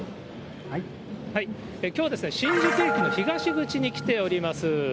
きょうは新宿駅の東口に来ております。